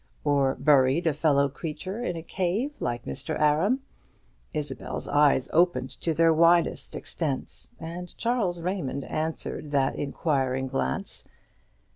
or buried a fellow creature in a cave, like Mr. Aram? Isabel's eyes opened to their widest extent; and Charles Raymond answered that inquiring glance.